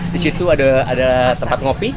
di situ ada tempat ngopi